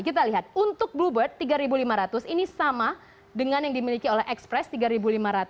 kita lihat untuk bluebird tiga lima ratus ini sama dengan yang dimiliki oleh express rp tiga lima ratus